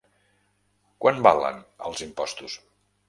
Quant valen els impostos?